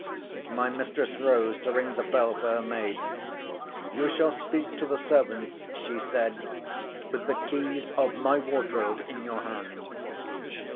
My mistress rose to ring the bell for her maid. "You shall speak to the servants," she said, "with the keys of my wardrobe in your hand."